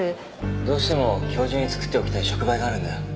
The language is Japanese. どうしても今日中に作っておきたい触媒があるんだよ。